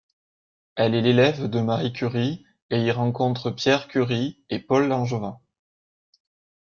Elle est l'élève de Marie Curie, et y rencontre Pierre Curie et Paul Langevin.